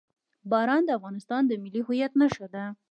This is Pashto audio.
باران د افغانستان د ملي هویت نښه ده.